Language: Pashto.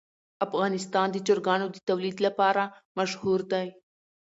افغانستان د چرګانو د تولید لپاره مشهور دی.